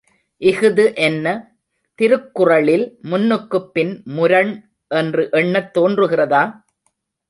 இஃது என்ன, திருக்குறளில் முன்னுக்குப்பின் முரண் என்று எண்ணத் தோன்றுகிறதா?